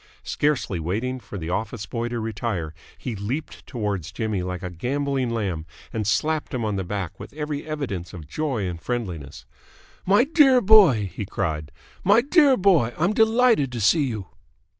Scarcely waiting for the office boy to retire, he leaped towards Jimmy like a gambolling lamb and slapped him on the back with every evidence of joy and friendliness. "My dear boy!" he cried. "My dear boy! I'm delighted to see you!"